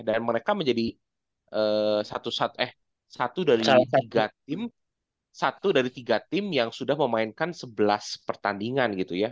dan mereka menjadi satu dari tiga tim yang sudah memainkan sebelas pertandingan gitu ya